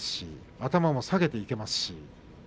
頭も下げていけます。